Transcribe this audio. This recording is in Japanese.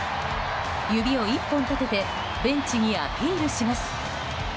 指を１本立ててベンチにアピールします。